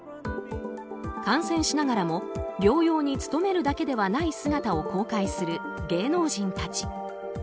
感染しながらも療養に努めるだけではない姿を公開する芸能人たち。